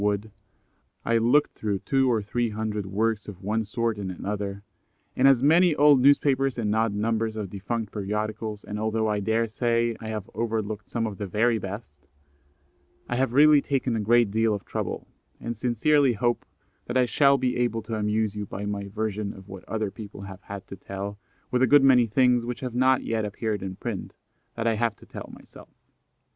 Wood; I looked through two or three hundred works of one sort and another, and as many old newspapers and odd numbers of defunct periodicals, and although I daresay I have overlooked some of the very best, I have really taken a great deal of trouble, and sincerely hope that I shall be able to amuse you by my version of what other people have had to tell, with a good many things which have not yet appeared in print, that I have to tell myself.